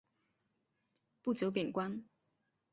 不久贬官。